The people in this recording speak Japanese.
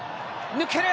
抜ける！